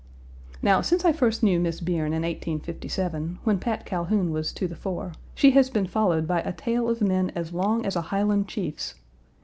Now, since I first knew Miss Bierne in 1857, when Pat Calhoun was to the fore, she has been followed by a tale of men as long as a Highland chief's.